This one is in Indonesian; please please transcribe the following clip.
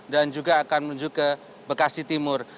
dan juga akan menuju ke bekasi timur